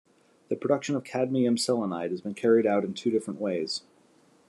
The production of cadmium selenide has been carried out in two different ways.